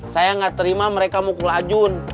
saya nggak terima mereka mukul ajun